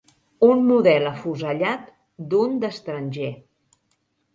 Un model afusellat d'un d'estranger.